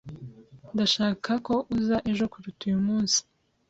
Ndashaka ko uza ejo kuruta uyu munsi.